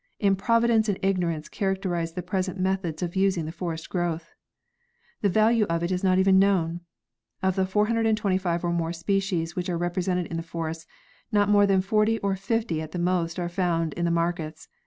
Improvidence and ignorance characterize the present methods of using the forest growth. The value of it is not even known. Of the 425 or more species which are represented in the forests, not more than 40 or 50 at the most are found in the markets.